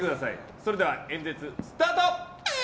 それでは演説スタート！